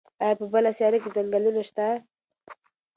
ایا په بله سیاره کې ځنګلونه شته؟